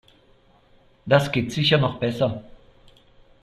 Das geht sicher noch besser.